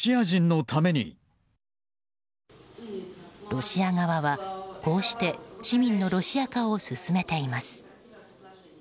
ロシア側は、こうして市民のロシア化を進めています。